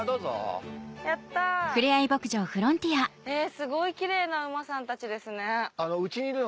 すごいきれいな馬さんたちですね。